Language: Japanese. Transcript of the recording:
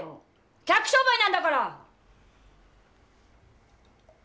客商売なんだから！